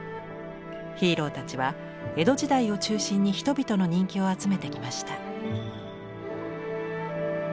ヒーローたちは江戸時代を中心に人々の人気を集めてきました。